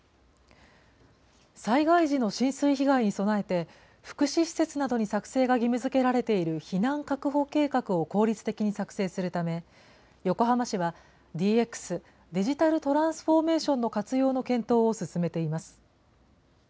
災害時の浸水被害に備えて、福祉施設などに作成が義務づけられている避難確保計画を効率的に作成するため、横浜市はＤＸ・デジタルトランスフォーメーションの活用の検討を進めています。